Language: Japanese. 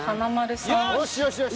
よしよしよし。